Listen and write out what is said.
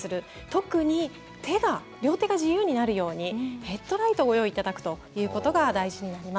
特に、両手が自由になるようにヘッドライトをご用意いただくということが大事になります。